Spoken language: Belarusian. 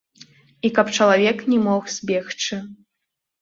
І каб чалавек не мог збегчы.